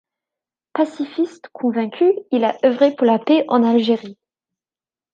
Pacifiste convaincu, il a œuvré pour la paix en Algérie.